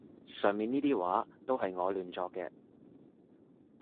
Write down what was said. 上面呢啲話都係我亂作嘅